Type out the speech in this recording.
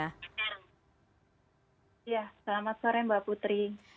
selamat sore mbak putri